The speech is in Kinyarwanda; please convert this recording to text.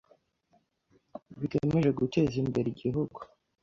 bigamije guteza imbere Igihugu.